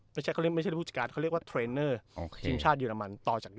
ไม่ใช่เขาเรียกไม่ใช่ภูติการเขาเรียกว่าทีมชาติเยอรมันต่อจาก